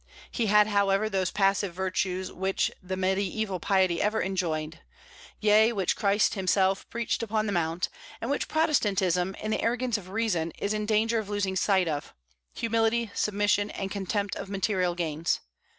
He had, however, those passive virtues which Mediaeval piety ever enjoined, yea, which Christ himself preached upon the Mount, and which Protestantism, in the arrogance of reason, is in danger of losing sight of, humility, submission, and contempt of material gains.